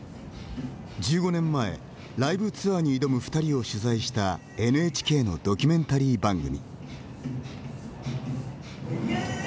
１５年前、ライブツアーに挑む二人を取材したＮＨＫのドキュメンタリー番組。